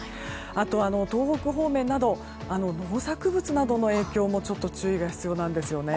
あと、東北方面など農作物などの影響もちょっと注意が必要なんですよね。